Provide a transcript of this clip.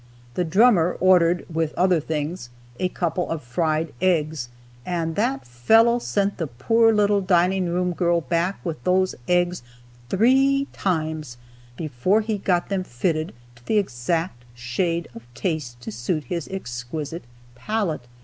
The drummer ordered (with other things) a couple of fried eggs, and that fellow sent the poor little dining room girl back with those eggs three times before he got them fitted to the exact shade of taste to suit his exquisite palate.